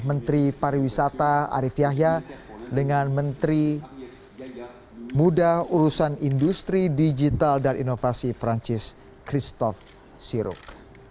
menteri pariwisata arief yahya dengan menteri muda urusan industri digital dan inovasi perancis christoph siruk